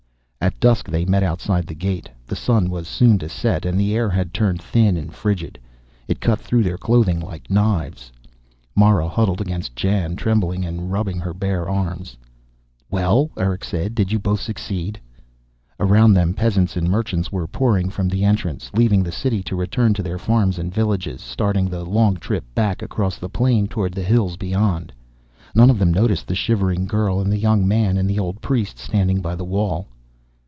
At dusk they met outside the gate. The sun was soon to set, and the air had turned thin and frigid. It cut through their clothing like knives. Mara huddled against Jan, trembling and rubbing her bare arms. "Well?" Erick said. "Did you both succeed?" Around them peasants and merchants were pouring from the entrance, leaving the City to return to their farms and villages, starting the long trip back across the plain toward the hills beyond. None of them noticed the shivering girl and the young man and the old priest standing by the wall.